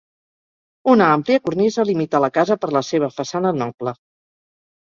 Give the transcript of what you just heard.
Una àmplia cornisa limita la casa per la seva façana noble.